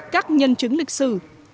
các nhân chứng lịch sử